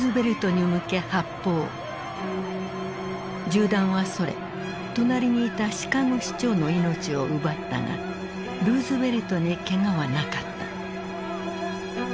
銃弾はそれ隣にいたシカゴ市長の命を奪ったがルーズベルトにけがはなかった。